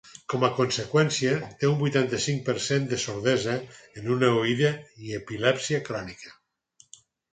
Com a conseqüència, té un vuitanta-cinc per cent de sordesa en una oïda i epilèpsia crònica.